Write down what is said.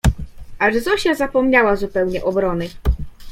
Aż Zosia zapomniała zupełnie obrony